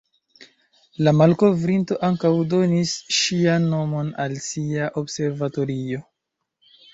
La malkovrinto ankaŭ donis ŝian nomon al sia observatorio.